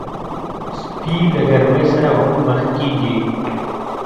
سپي له ګرمۍ سره هم مخ کېږي.